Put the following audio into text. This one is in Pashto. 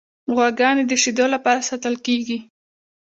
غواګانې د شیدو لپاره ساتل کیږي.